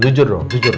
jujur dong jujur